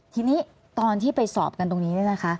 ทีนี้ตอนที่ไปสอบกันตรงนี้เนี่ยนะคะ